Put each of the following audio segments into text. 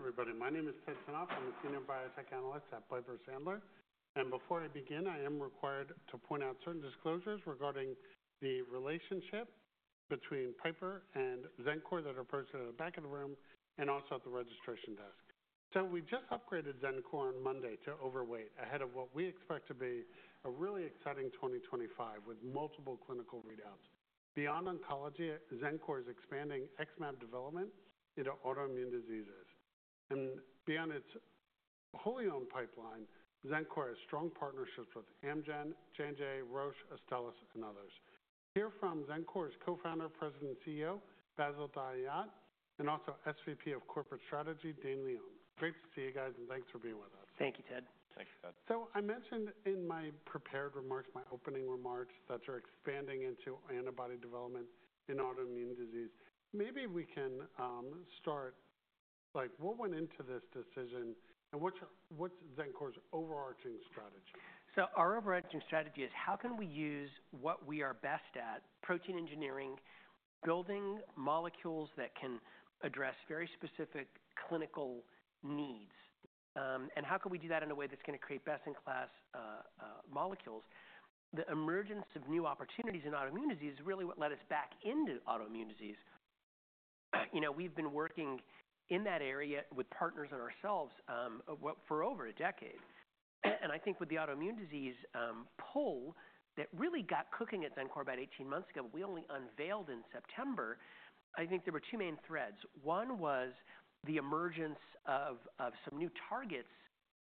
Good evening, everybody. My name is Ted Tenthoff. I'm a Senior Biotech Analyst at Piper Sandler. And before I begin, I am required to point out certain disclosures regarding the relationship between Piper and Xencor that are posted at the back of the room and also at the registration desk. So we just upgraded Xencor on Monday to overweight ahead of what we expect to be a really exciting 2025 with multiple clinical readouts. Beyond oncology, Xencor is expanding XmAb development into autoimmune diseases. And beyond its wholly owned pipeline, Xencor has strong partnerships with Amgen, J&J, Roche, Astellas, and others. Hear from Xencor's Co-founder, President, and CEO, Bassil Dahiyat, and also SVP of Corporate Strategy, Dane Leone. Great to see you guys, and thanks for being with us. Thank you, Ted. Thank you, Ted. I mentioned in my prepared remarks, my opening remarks, that you're expanding into antibody development in autoimmune disease. Maybe we can start, like, what went into this decision and what's Xencor's overarching strategy? So our overarching strategy is how can we use what we are best at, protein engineering, building molecules that can address very specific clinical needs. And how can we do that in a way that's going to create best-in-class molecules? The emergence of new opportunities in autoimmune disease is really what led us back into autoimmune disease. You know, we've been working in that area with partners and ourselves for over a decade. And I think with the autoimmune disease pull that really got cooking at Xencor about 18 months ago, we only unveiled in September. I think there were two main threads. One was the emergence of some new targets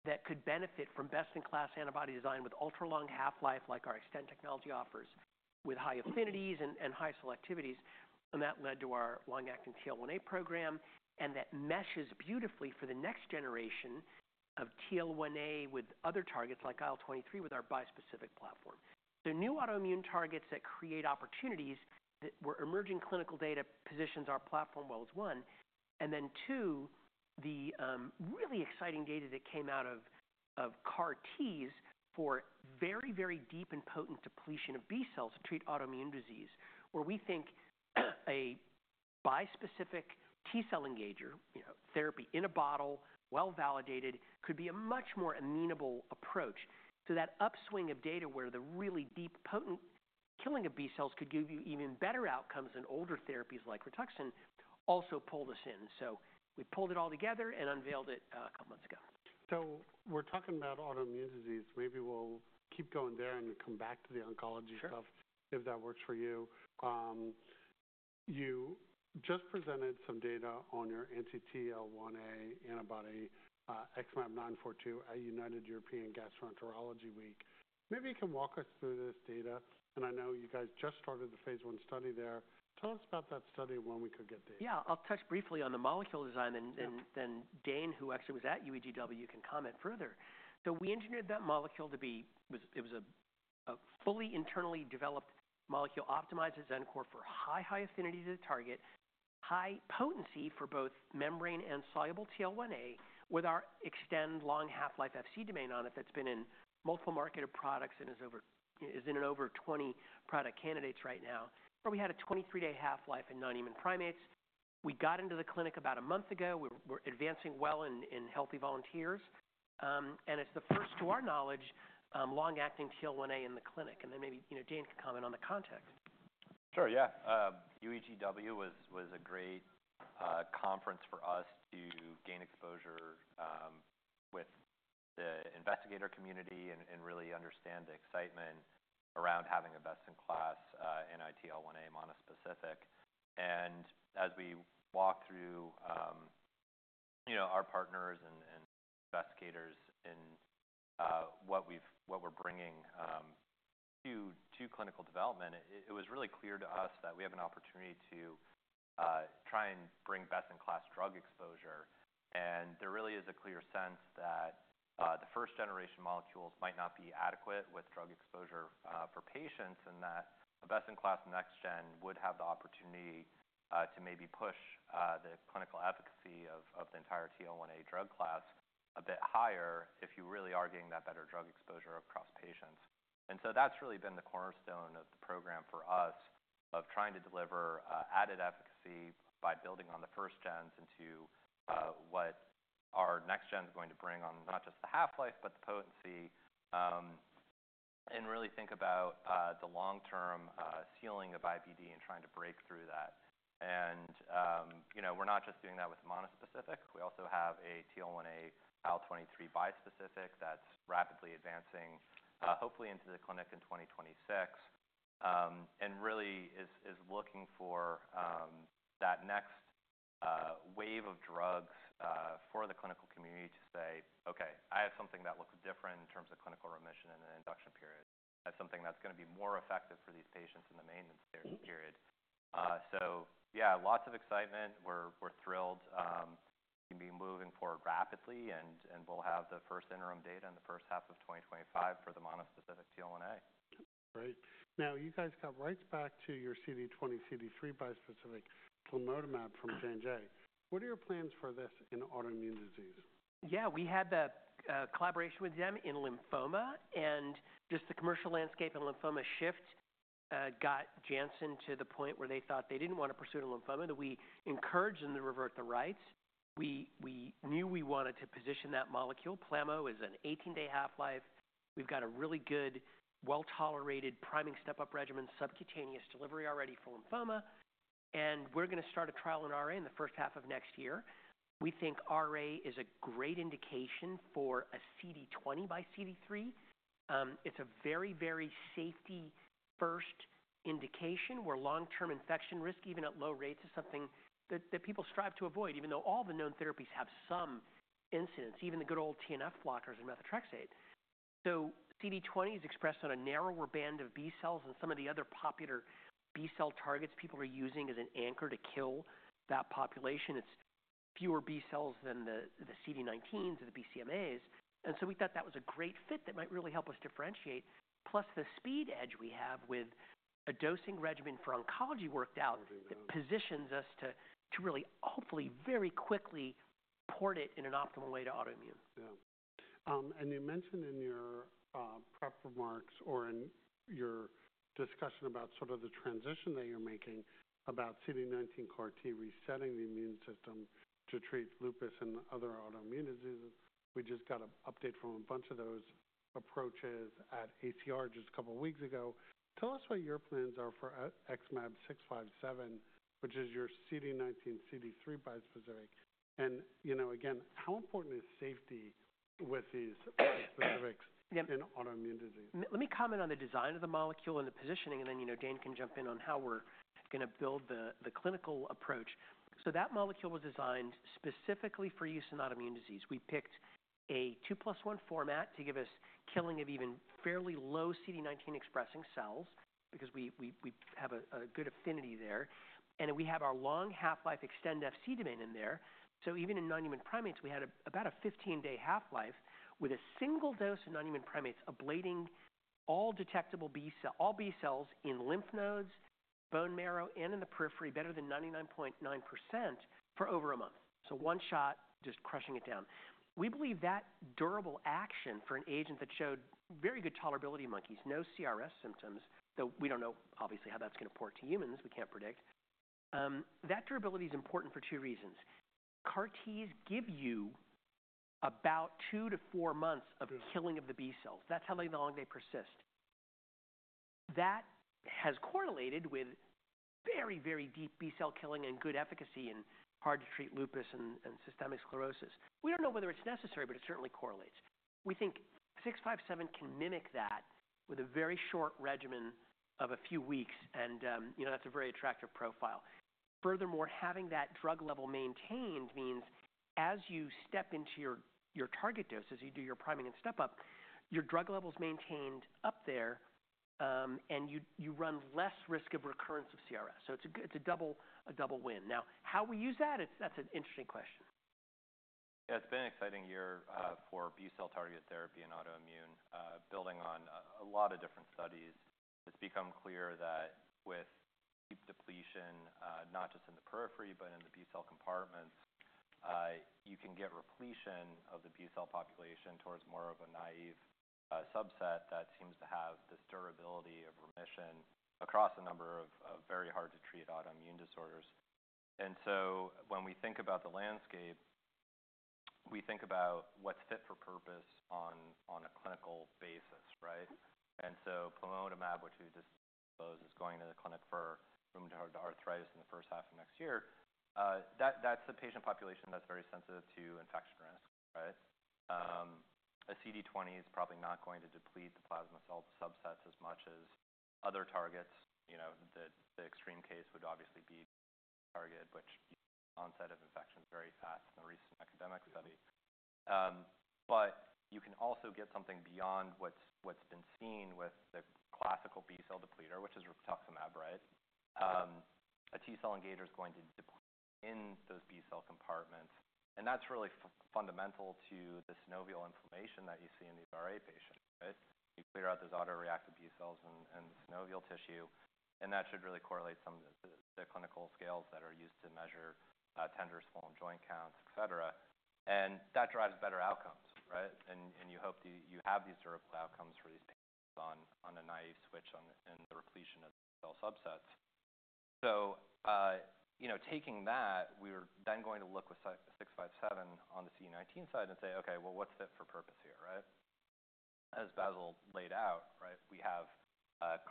that could benefit from best-in-class antibody design with ultra-long half-life, like our extended technology offers, with high affinities and high selectivities. And that led to our long-acting TL1A program. And that meshes beautifully for the next generation of TL1A with other targets like IL-23 with our bispecific platform. So, new autoimmune targets that create opportunities that were emerging. Clinical data positions our platform well as one. And then two, the really exciting data that came out of CAR-Ts for very, very deep and potent depletion of B-cells to treat autoimmune disease, where we think a bispecific T-cell engager, you know, therapy in a bottle, well-validated, could be a much more amenable approach. So that upswing of data where the really deep, potent killing of B-cells could give you even better outcomes than older therapies like RITUXAN also pulled us in. So we pulled it all together and unveiled it a couple of months ago. We're talking about autoimmune disease. Maybe we'll keep going there and come back to the oncology stuff if that works for you. You just presented some data on your anti-TL1A antibody XmAb942 at United European Gastroenterology Week. Maybe you can walk us through this data. And I know you guys just started the phase I study there. Tell us about that study and when we could get data. Yeah, I'll touch briefly on the molecule design, and then Dane, who actually was at UEGW, can comment further. So we engineered that molecule. It was a fully internally developed molecule optimized at Xencor for high, high affinity to the target, high potency for both membrane and soluble TL1A, with our Xtend long half-life Fc domain on it that's been in multiple marketed products and is in over 20 product candidates right now. We had a 23-day half-life in non-human primates. We got into the clinic about a month ago. We're advancing well in healthy volunteers. And it's the first, to our knowledge, long-acting TL1A in the clinic. And then maybe, you know, Dane can comment on the context. Sure, yeah. UEGW was a great conference for us to gain exposure with the investigator community and really understand the excitement around having a best-in-class TL1A monospecific. And as we walked through, you know, our partners and investigators in what we're bringing to clinical development, it was really clear to us that we have an opportunity to try and bring best-in-class drug exposure. And there really is a clear sense that the first-generation molecules might not be adequate with drug exposure for patients and that a best-in-class next-gen would have the opportunity to maybe push the clinical efficacy of the entire TL1A drug class a bit higher if you really are getting that better drug exposure across patients. And so that's really been the cornerstone of the program for us, of trying to deliver added efficacy by building on the first gens into what our next gen is going to bring on not just the half-life, but the potency, and really think about the long-term ceiling of IBD and trying to break through that. And, you know, we're not just doing that with monospecific. We also have a TL1A IL-23 bispecific that's rapidly advancing, hopefully into the clinic in 2026, and really is looking for that next wave of drugs for the clinical community to say, "Okay, I have something that looks different in terms of clinical remission and induction period. I have something that's going to be more effective for these patients in the maintenance period." So, yeah, lots of excitement. We're thrilled. We'll be moving forward rapidly, and we'll have the first interim data in the first half of 2025 for the monospecific TL1A. Great. Now, you guys got rights back to your CD20 x CD3 bispecific, plamotamab from J&J. What are your plans for this in autoimmune disease? Yeah, we had the collaboration with them in lymphoma, and just the commercial landscape and lymphoma shift got Janssen to the point where they thought they didn't want to pursue lymphoma. We encouraged them to revert the rights. We knew we wanted to position that molecule. Plamo is an 18-day half-life. We've got a really good, well-tolerated priming step-up regimen, subcutaneous delivery already for lymphoma. And we're going to start a trial in RA in the first half of next year. We think RA is a great indication for a CD20 x CD3. It's a very, very safety-first indication where long-term infection risk, even at low rates, is something that people strive to avoid, even though all the known therapies have some incidence, even the good old TNF blockers and methotrexate. So CD20 is expressed on a narrower band of B-cells, and some of the other popular B-cell targets people are using as an anchor to kill that population. It's fewer B-cells than the CD19s or the BCMAs. And so we thought that was a great fit that might really help us differentiate, plus the speed edge we have with a dosing regimen for oncology worked out that positions us to really, hopefully, very quickly port it in an optimal way to autoimmune. Yeah. And you mentioned in your prep remarks or in your discussion about sort of the transition that you're making about CD19 CAR-T resetting the immune system to treat lupus and other autoimmune diseases. We just got an update from a bunch of those approaches at ACR just a couple of weeks ago. Tell us what your plans are for XmAb657, which is your CD19 x CD3 bispecific. And, you know, again, how important is safety with these bispecifics in autoimmune disease? Let me comment on the design of the molecule and the positioning, and then, you know, Dane can jump in on how we're going to build the clinical approach. So that molecule was designed specifically for use in autoimmune disease. We picked a 2+1 format to give us killing of even fairly low CD19 expressing cells because we have a good affinity there. And we have our long half-life Xtend Fc domain in there. So even in non-human primates, we had about a 15-day half-life with a single dose of non-human primates ablating all detectable B-cells in lymph nodes, bone marrow, and in the periphery better than 99.9% for over a month. So one shot, just crushing it down. We believe that durable action for an agent that showed very good tolerability in monkeys, no CRS symptoms, though we don't know, obviously, how that's going to port to humans. We can't predict. That durability is important for two reasons. CAR-Ts give you about two months-four months of killing of the B-cells. That's how long they persist. That has correlated with very, very deep B-cell killing and good efficacy in hard-to-treat lupus and systemic sclerosis. We don't know whether it's necessary, but it certainly correlates. We think 657 can mimic that with a very short regimen of a few weeks, and, you know, that's a very attractive profile. Furthermore, having that drug level maintained means as you step into your target dose, as you do your priming and step-up, your drug level is maintained up there, and you run less risk of recurrence of CRS. So it's a double win. Now, how we use that, that's an interesting question. Yeah, it's been an exciting year for B-cell targeted therapy in autoimmune. Building on a lot of different studies, it's become clear that with deep depletion, not just in the periphery, but in the B-cell compartments, you can get repletion of the B-cell population towards more of a naive subset that seems to have this durability of remission across a number of very hard-to-treat autoimmune disorders. And so when we think about the landscape, we think about what's fit for purpose on a clinical basis, right? And so plamotamab, which we just disclosed, is going into the clinic for rheumatoid arthritis in the first half of next year. That's a patient population that's very sensitive to infection risk, right? A CD20 is probably not going to deplete the plasma cell subsets as much as other targets. You know, the extreme case would obviously be target, which onset of infection is very fast in a recent academic study, but you can also get something beyond what's been seen with the classical B-cell depleter, which is rituximab, right? A T-cell engager is going to deplete in those B-cell compartments, and that's really fundamental to the synovial inflammation that you see in these RA patients, right? You clear out those autoreactive B-cells in the synovial tissue, and that should really correlate some of the clinical scales that are used to measure tender, swollen, joint counts, etc., and that drives better outcomes, right, and you hope you have these durable outcomes for these patients on a naive switch in the repletion of B-cell subsets. So, you know, taking that, we were then going to look with 657 on the CD19 side and say, "Okay, well, what's fit for purpose here," right? As Bassil laid out, right, we have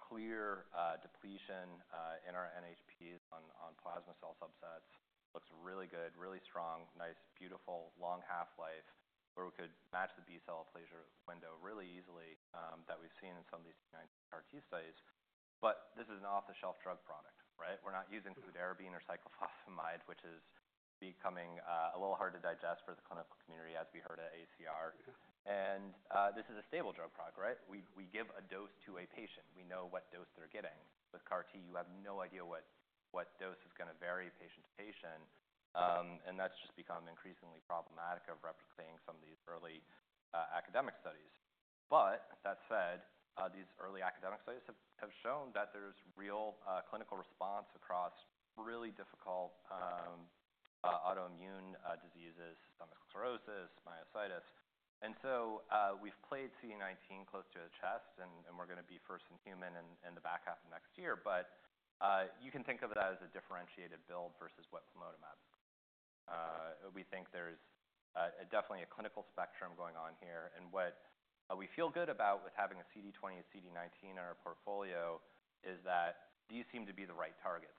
clear depletion in our NHPs on plasma cell subsets. Looks really good, really strong, nice, beautiful, long half-life, where we could match the B-cell aplasia window really easily that we've seen in some of these CD19 CAR-T studies. But this is an off-the-shelf drug product, right? We're not using fludarabine or cyclophosphamide, which is becoming a little hard to digest for the clinical community, as we heard at ACR. And this is a stable drug product, right? We give a dose to a patient. We know what dose they're getting. With CAR-T, you have no idea what dose is going to vary patient to patient. That's just become increasingly problematic of replicating some of these early academic studies. That said, these early academic studies have shown that there's real clinical response across really difficult autoimmune diseases, systemic sclerosis, myositis. So we've played CD19 close to the chest, and we're going to be first in human in the back half of next year. You can think of that as a differentiated build versus what plamotamab. We think there's definitely a clinical spectrum going on here. What we feel good about with having a CD20, CD19 in our portfolio is that these seem to be the right targets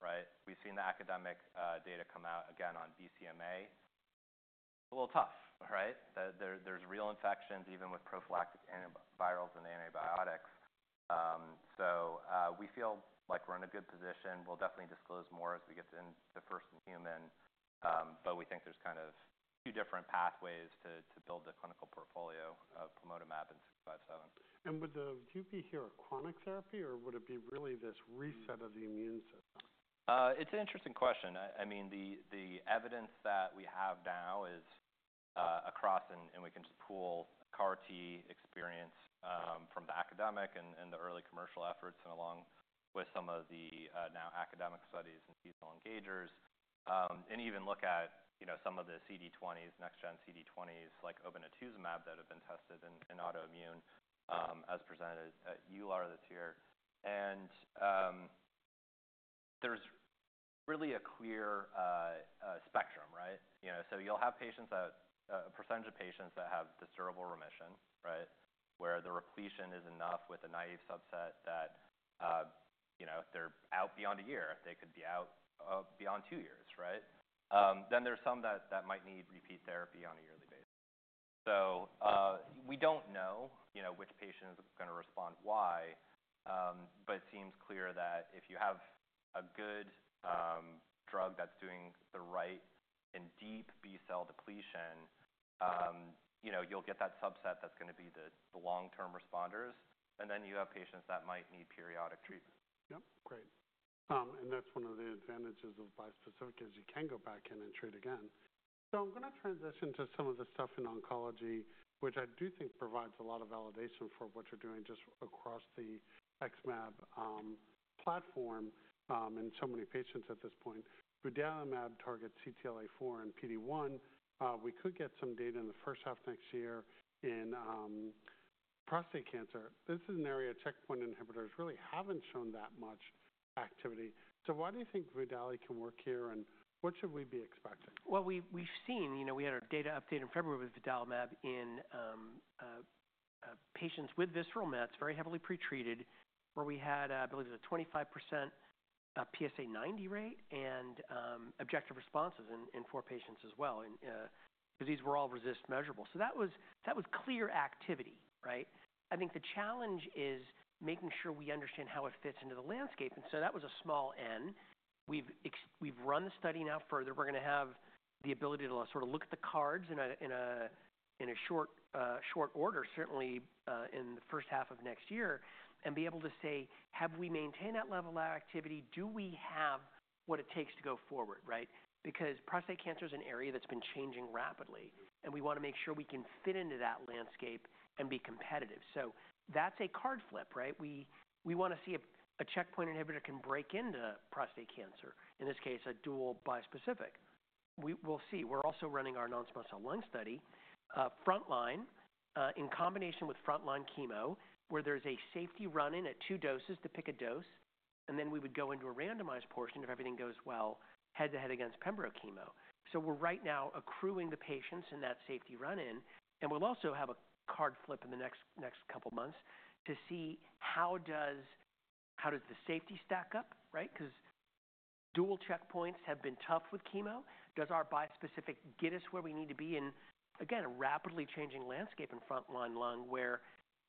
now, right? We've seen the academic data come out again on BCMA. It's a little tough, right? There's real infections, even with prophylactic antivirals and antibiotics. We feel like we're in a good position. We'll definitely disclose more as we get in the first in human. But we think there's kind of two different pathways to build the clinical portfolio of plamotamab and 657. Would the approach here be a chronic therapy, or would it be really this reset of the immune system? It's an interesting question. I mean, the evidence that we have now is across, and we can just pool CAR-T experience from the academic and the early commercial efforts and along with some of the now academic studies and T-cell engagers. Even look at, you know, some of the CD20s, next-gen CD20s like obinutuzumab that have been tested in autoimmune as presented at EULAR this year. There's really a clear spectrum, right? You know, so you'll have a percentage of patients that have this durable remission, right, where the repletion is enough with a naive subset that, you know, they're out beyond a year. They could be out beyond two years, right? Then there's some that might need repeat therapy on a yearly basis. So we don't know, you know, which patient is going to respond why, but it seems clear that if you have a good drug that's doing the right and deep B-cell depletion, you know, you'll get that subset that's going to be the long-term responders. And then you have patients that might need periodic treatment. Yep. Great. And that's one of the advantages of bispecific is you can go back in and treat again. So I'm going to transition to some of the stuff in oncology, which I do think provides a lot of validation for what you're doing just across the XmAb platform in so many patients at this point. Vudalimab targets CTLA-4 and PD-1. We could get some data in the first half next year in prostate cancer. This is an area checkpoint inhibitors really haven't shown that much activity. So why do you think vudali can work here, and what should we be expecting? We've seen, you know, we had our data update in February with vudalimab in patients with visceral mets, very heavily pretreated, where we had, I believe, it was a 25% PSA90 rate and objective responses in four patients as well. Because these were all RECIST measurable. That was clear activity, right? I think the challenge is making sure we understand how it fits into the landscape. So that was a small N. We've run the study now further. We're going to have the ability to sort of look at the cards in a short order, certainly in the first half of next year, and be able to say, "Have we maintained that level of activity? Do we have what it takes to go forward," right? Because prostate cancer is an area that's been changing rapidly, and we want to make sure we can fit into that landscape and be competitive. So that's a card flip, right? We want to see if a checkpoint inhibitor can break into prostate cancer, in this case, a dual bispecific. We'll see. We're also running our non-small cell lung study frontline in combination with frontline chemo, where there's a safety run-in at two doses to pick a dose, and then we would go into a randomized portion if everything goes well, head-to-head against pembrolizumab chemo. So we're right now accruing the patients in that safety run-in, and we'll also have a card flip in the next couple of months to see how does the safety stack up, right? Because dual checkpoints have been tough with chemo. Does our bispecific get us where we need to be in, again, a rapidly changing landscape in frontline lung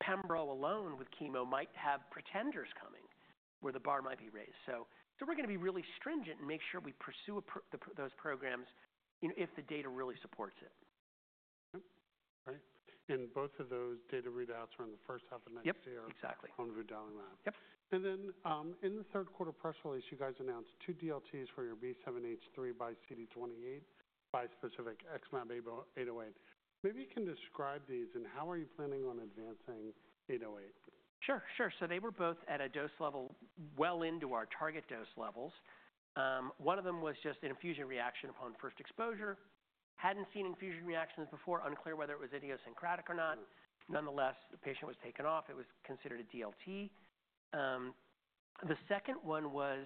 where pembrolizumab alone with chemo might have pretenders coming, where the bar might be raised? So we're going to be really stringent and make sure we pursue those programs, you know, if the data really supports it. Yep. Great. And both of those data readouts are in the first half of next year on vudalimab. Yep. Exactly. And then in the third quarter press release, you guys announced two DLTs for your B7-H3 x CD28 bispecific, XmAb808. Maybe you can describe these and how are you planning on advancing 808? Sure, sure. So they were both at a dose level well into our target dose levels. One of them was just an infusion reaction upon first exposure. Hadn't seen infusion reactions before, unclear whether it was idiosyncratic or not. Nonetheless, the patient was taken off. It was considered a DLT. The second one was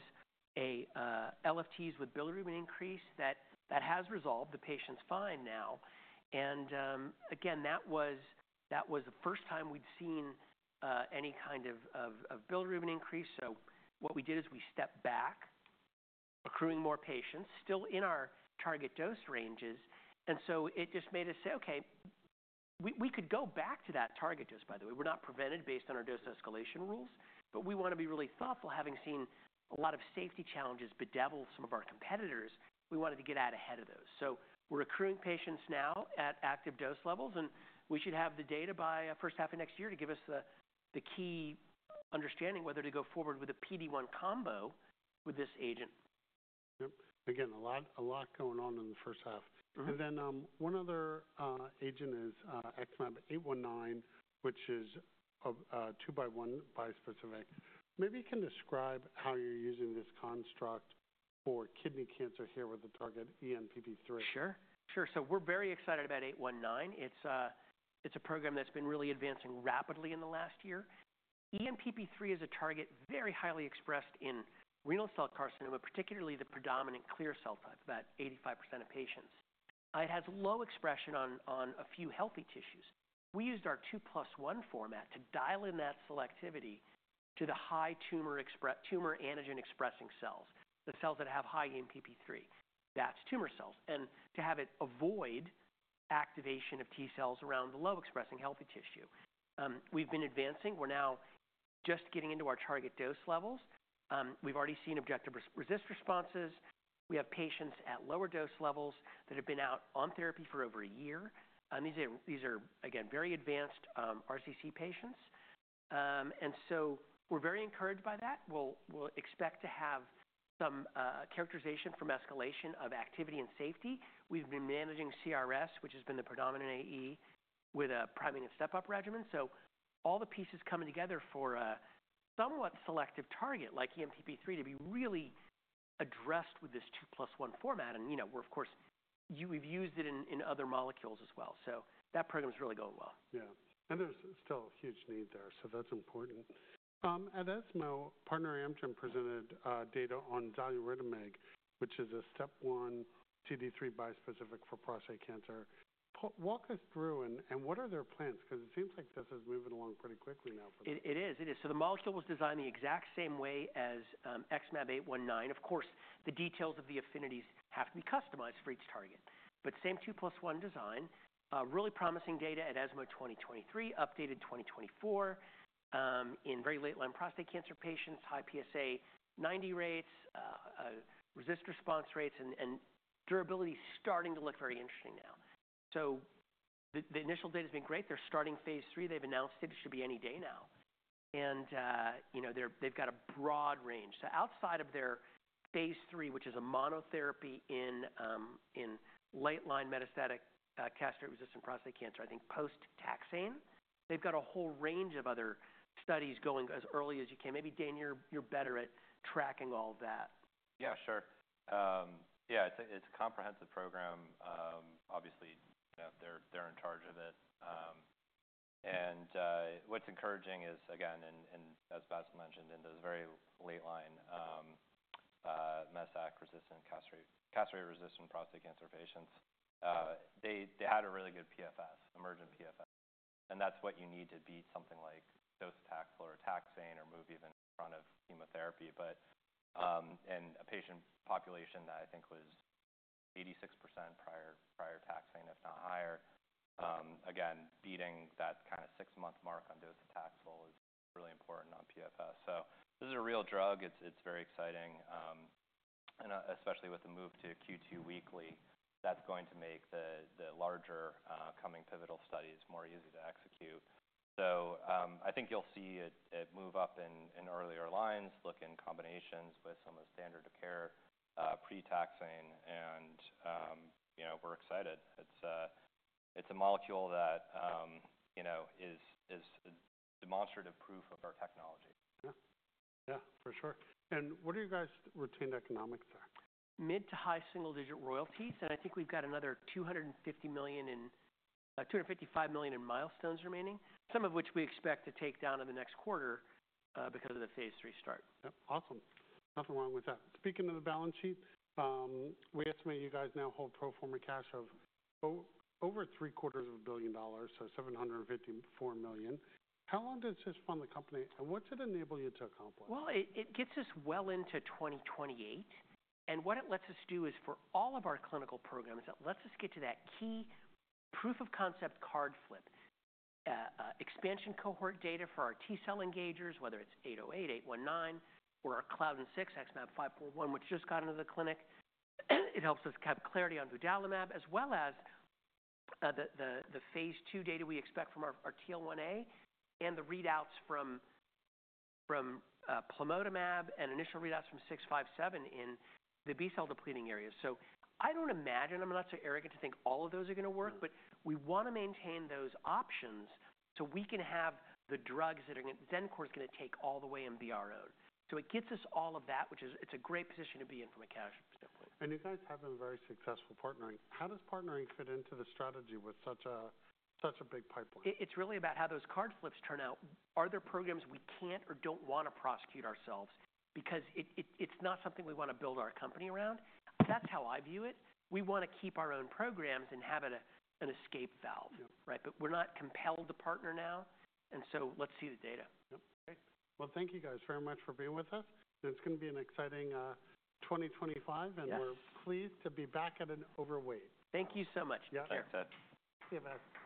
LFTs with bilirubin increase that has resolved. The patient's fine now. And again, that was the first time we'd seen any kind of bilirubin increase. So what we did is we stepped back, accruing more patients, still in our target dose ranges. And so it just made us say, "Okay, we could go back to that target dose, by the way. We're not prevented based on our dose escalation rules, but we want to be really thoughtful, having seen a lot of safety challenges bedevil some of our competitors. We wanted to get out ahead of those. So we're accruing patients now at active dose levels, and we should have the data by first half of next year to give us the key understanding whether to go forward with a PD-1 combo with this agent. Yep. Again, a lot going on in the first half. And then one other agent is XmAb819, which is a 2+1 bispecific. Maybe you can describe how you're using this construct for kidney cancer here with the target ENPP3. Sure. Sure. So we're very excited about 819. It's a program that's been really advancing rapidly in the last year. ENPP3 is a target very highly expressed in renal cell carcinoma, particularly the predominant clear cell type, about 85% of patients. It has low expression on a few healthy tissues. We used our 2+1 format to dial in that selectivity to the high tumor antigen-expressing cells, the cells that have high ENPP3. That's tumor cells. And to have it avoid activation of T-cells around the low-expressing healthy tissue. We've been advancing. We're now just getting into our target dose levels. We've already seen objective RECIST responses. We have patients at lower dose levels that have been out on therapy for over a year. These are, again, very advanced RCC patients. And so we're very encouraged by that. We'll expect to have some characterization from escalation of activity and safety. We've been managing CRS, which has been the predominant AE, with a priming and step-up regimen, so all the pieces coming together for a somewhat selective target like ENPP3 to be really addressed with this 2+1 format, and, you know, we're, of course, we've used it in other molecules as well, so that program is really going well. Yeah. And there's still a huge need there, so that's important. At ESMO, partner Amgen presented data on xaluritamig, which is a STEAP1 CD3 bispecific for prostate cancer. Walk us through, and what are their plans? Because it seems like this is moving along pretty quickly now for them. It is. It is. So the molecule was designed the exact same way as XmAb819. Of course, the details of the affinities have to be customized for each target. But same 2+1 design, really promising data at ESMO 2023, updated 2024 in very late-line prostate cancer patients, high PSA90 rates, RECIST response rates, and durability starting to look very interesting now. So the initial data has been great. They're starting phase three. They've announced it. It should be any day now. And, you know, they've got a broad range. So outside of their phase three, which is a monotherapy in late-line metastatic castrate-resistant prostate cancer, I think post-taxane, they've got a whole range of other studies going as early as you can. Maybe, Dane, you're better at tracking all of that. Yeah, sure. Yeah, it's a comprehensive program. Obviously, they're in charge of it. What's encouraging is, again, as Bassil mentioned, in those very late-line, metastatic, castration-resistant prostate cancer patients, they had a really good PFS, impressive PFS. That's what you need to beat something like docetaxel or a taxane or move even in front of chemotherapy. In a patient population that I think was 86% prior taxane, if not higher, beating that kind of six-month mark on docetaxel is really important on PFS. This is a real drug. It's very exciting. Especially with the move to Q2 weekly, that's going to make the larger coming pivotal studies more easy to execute. I think you'll see it move up in earlier lines, look in combinations with some of the standard of care, pre-taxane. You know, we're excited. It's a molecule that, you know, is demonstrative proof of our technology. Yeah. Yeah, for sure. And what are you guys' retained economics there? Mid- to high single-digit royalties. And I think we've got another $255 million in milestones remaining, some of which we expect to take down in the next quarter because of the phase III start. Yep. Awesome. Nothing wrong with that. Speaking of the balance sheet, we estimate you guys now hold pro forma cash of over $750 million, so $754 million. How long does this fund the company? And what's it enable you to accomplish? It gets us well into 2028. What it lets us do is for all of our clinical programs, it lets us get to that key proof-of-concept card flip, expansion cohort data for our T-cell engagers, whether it's 808, 819, or our claudin-6, XmAb541, which just got into the clinic. It helps us have clarity on vudalimab, as well as the phase II data we expect from our TL1A and the readouts from plamotamab and initial readouts from 657 in the B-cell depleting areas. I don't imagine, I'm not so arrogant to think all of those are going to work, but we want to maintain those options so we can have the drugs that Xencor is going to take all the way and be our own. So it gets us all of that, which is it's a great position to be in from a cash standpoint. And you guys have been very successful partnering. How does partnering fit into the strategy with such a big pipeline? It's really about how those card flips turn out. Are there programs we can't or don't want to prosecute ourselves? Because it's not something we want to build our company around. That's how I view it. We want to keep our own programs and have it an escape valve, right? But we're not compelled to partner now. And so let's see the data. Yep. Great. Well, thank you guys very much for being with us. It's going to be an exciting 2025, and we're pleased to be back at an overweight. Thank you so much. Take care. Yeah, you too. See you guys. My name is Ted Tenthoff.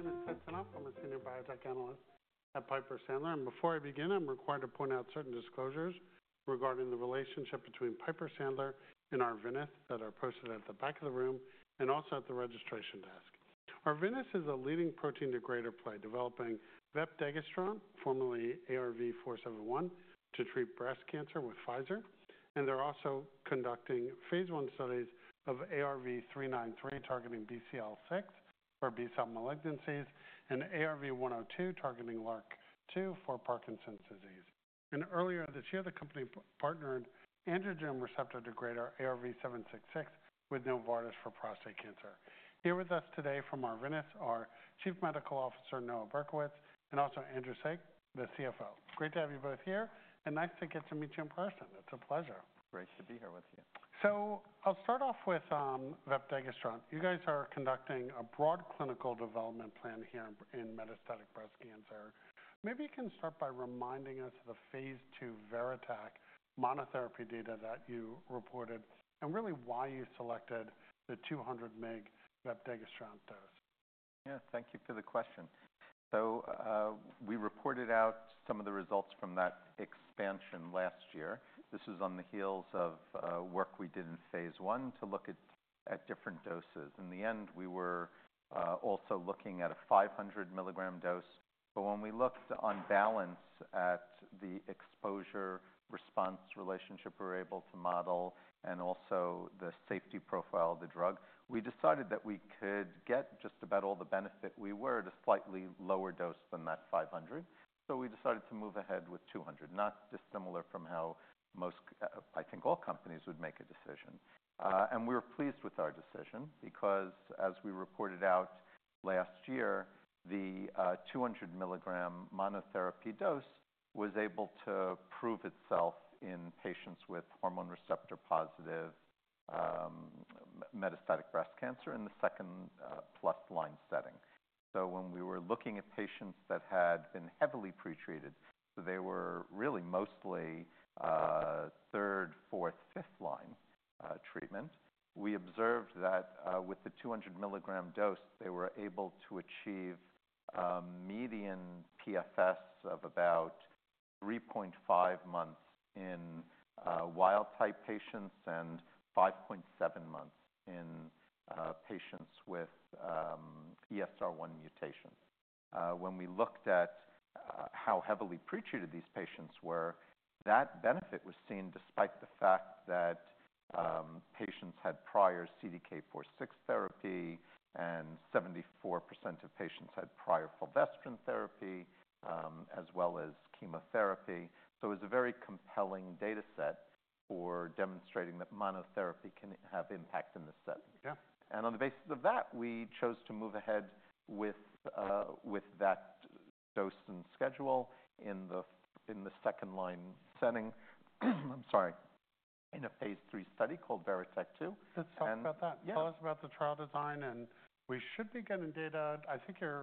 I'm a Senior Biotech Analyst at Piper Sandler. And before I begin, I'm required to point out certain disclosures regarding the relationship between Piper Sandler and Arvinas that are posted at the back of the room and also at the registration desk. Arvinas is a leading protein degrader play developing vepdegestrant, formerly ARV-471, to treat breast cancer with Pfizer. And they're also conducting phase I studies of ARV-393 targeting BCL6 for B-cell malignancies and ARV-102 targeting LRRK2 for Parkinson's disease. And earlier this year, the company partnered androgen receptor degrader ARV-766 with Novartis for prostate cancer. Here with us today from Arvinas are Chief Medical Officer Noah Berkowitz and also Andrew Saik, the CFO. Great to have you both here, and nice to get to meet you in person. It's a pleasure. Great to be here with you. I'll start off with vepdegestrant. You guys are conducting a broad clinical development plan here in metastatic breast cancer. Maybe you can start by reminding us of the phase II VERITAC monotherapy data that you reported and really why you selected the 200-mg vepdegestrant dose? Yeah, thank you for the question. So we reported out some of the results from that expansion last year. This was on the heels of work we did in phase I to look at different doses. In the end, we were also looking at a 500-mg dose. But when we looked on balance at the exposure response relationship we were able to model and also the safety profile of the drug, we decided that we could get just about all the benefit we were at a slightly lower dose than that 500 mg. So we decided to move ahead with 200 mg, not dissimilar from how most, I think, all companies would make a decision. And we were pleased with our decision because, as we reported out last year, the 200-mg monotherapy dose was able to prove itself in patients with hormone receptor positive metastatic breast cancer in the second-plus line setting. So when we were looking at patients that had been heavily pretreated, they were really mostly third, fourth, fifth line treatment. We observed that with the 200-mg dose, they were able to achieve median PFS of about 3.5 months in wild-type patients and 5.7 months in patients with ESR1 mutations. When we looked at how heavily pretreated these patients were, that benefit was seen despite the fact that patients had prior CDK4/6 therapy and 74% of patients had prior fulvestrant therapy as well as chemotherapy. So it was a very compelling data set for demonstrating that monotherapy can have impact in the setting. Yeah. On the basis of that, we chose to move ahead with that dose and schedule in the second-line setting. I'm sorry, in a phase III study called VERITAC-2. That sounds about that. Yeah. Tell us about the trial design, and we should be getting data out. I think.